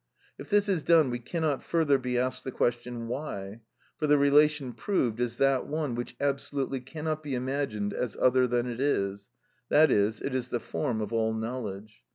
If this is done we cannot further be asked the question, why: for the relation proved is that one which absolutely cannot be imagined as other than it is, i.e., it is the form of all knowledge.